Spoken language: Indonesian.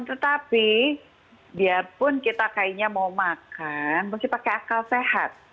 tetapi biarpun kita kayaknya mau makan mesti pakai akal sehat